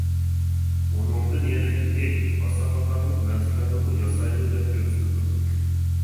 ئۇنىڭدىن يەنە يىك، ھاسا قاتارلىق نەرسىلەرنىمۇ ياسايدۇ دەپ كۆرسىتىدۇ.